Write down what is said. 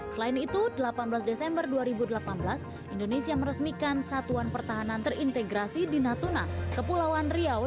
selain itu delapan belas desember dua ribu delapan belas indonesia meresmikan satuan pertahanan terintegrasi di natuna kepulauan riau